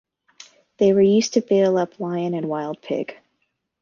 They were used to bail up lion and wild pig.